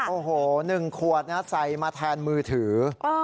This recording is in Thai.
โอ้โห๑ขวดนะใส่มาแทนมือถือ